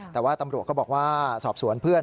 แต่ว่าตำรวจก็บอกว่าสอบสวนเพื่อน